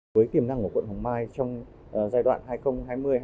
với tiềm năng của quận hoàng mai trong giai đoạn hai nghìn hai mươi hai nghìn hai mươi năm